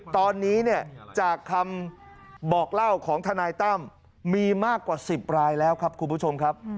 ตอนนี้เนี่ยจากคำบอกเล่าของทนายตั้มมีมากกว่า๑๐รายแล้วครับคุณผู้ชมครับ